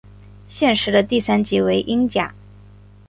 现时的第三级为英甲。